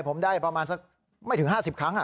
ผมได้ประมาณสักไม่ถึง๕๐ครั้ง